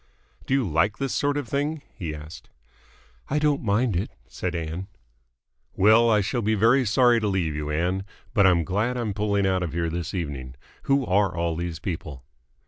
"Do you like this sort of thing?" he asked. "I don't mind it," said Ann. "Well, I shall be very sorry to leave you, Ann, but I'm glad I'm pulling out of here this evening. Who are all these people?"